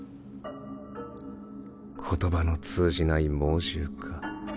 「言葉の通じない猛獣」か。